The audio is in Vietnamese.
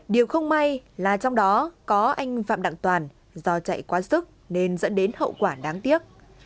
điều không may là trong đó có anh phạm đặng toàn do chạy quá sức nên dẫn đến hậu quả đáng tiếc